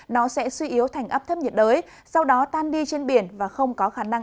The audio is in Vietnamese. nó sẽ suy yếu thành áp thấp nhiệt đới sau đó tan đi trên biển và không có khả năng